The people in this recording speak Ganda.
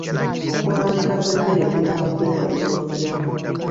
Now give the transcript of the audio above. Okwonooneka kw'emmere kuyinza kwewalibwa kutya?